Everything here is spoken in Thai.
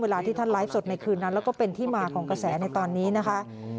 ที่ท่านไลฟ์สดในคืนนั้นแล้วก็เป็นที่มาของกระแสในตอนนี้นะคะ